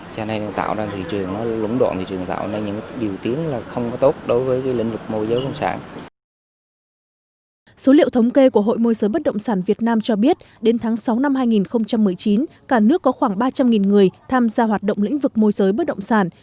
số liệu thống kê của hội môi giới bất động sản việt nam cho biết đến tháng sáu năm hai nghìn một mươi chín cả nước có khoảng ba trăm linh người tham gia hoạt động lĩnh vực môi giới bất động sản